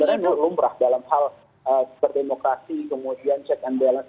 sebenarnya lumrah dalam hal berdemokrasi kemudian check and balance